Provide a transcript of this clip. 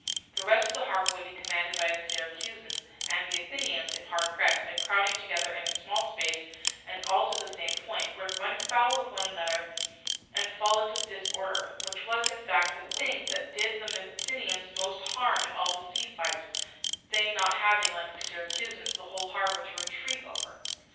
The rest of the harbour would be commanded by the Syracusans; and the Athenians, if hard pressed, by crowding together in a small space and all to the same point, would run foul of one another and fall into disorder, which was, in fact, the thing that did the Athenians most harm in all the sea fights, they not having, like the Syracusans, the whole harbour to retreat over.